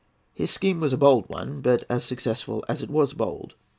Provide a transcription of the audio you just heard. His scheme was a bold one, but as successful as it was bold.